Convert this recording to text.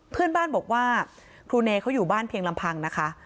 เพื่อนบ้านบอกว่าครูเนเขาอยู่บ้านเพียงลำพังนะคะ